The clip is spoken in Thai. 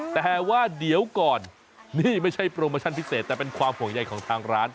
แต่ว่าเดี๋ยวก่อนนี่ไม่ใช่โปรโมชั่นพิเศษแต่เป็นความห่วงใยของทางร้าน